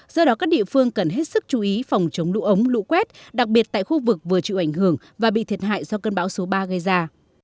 do đó các địa phương cần hết sức chú ý phòng chống lũ ống lũ quét đặc biệt tại khu vực vừa chịu ảnh hưởng và bị thiệt hại do cơn bão số ba gây ra